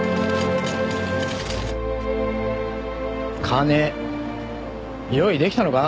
金用意できたのか？